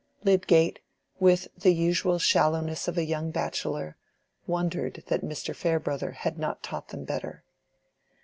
Lydgate, with the usual shallowness of a young bachelor, wondered that Mr. Farebrother had not taught them better.